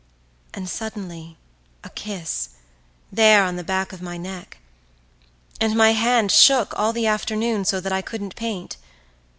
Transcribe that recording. And suddenly a kiss, there on the back of my neck. And my hand shook all the afternoon so that I couldn't paint.